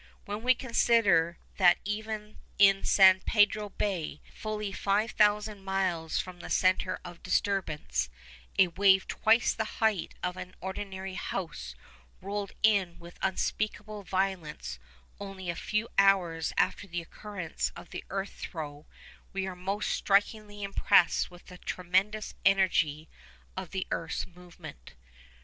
When we consider that even in San Pedro Bay, fully five thousand miles from the centre of disturbance, a wave twice the height of an ordinary house rolled in with unspeakable violence only a few hours after the occurrence of the earth throe, we are most strikingly impressed with the tremendous energy of the earth's movement.